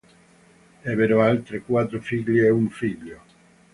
Ebbero altre quattro figlie e un figlio.